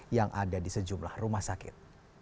yang ada di sejumlah rumah sakit